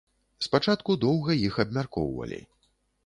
Спачатку доўга іх абмяркоўвалі.